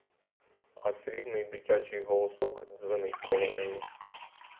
А срібний дитячий голосок дзвенить коло неї.